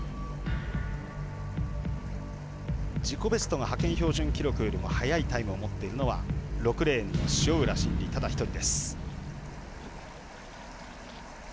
自己ベストが派遣標準よりも速いタイムを持っているのは６レーン、塩浦慎理ただ１人。